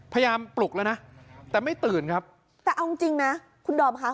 ปลุกแล้วนะแต่ไม่ตื่นครับแต่เอาจริงจริงนะคุณดอมค่ะ